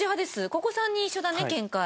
ここ３人一緒だね見解。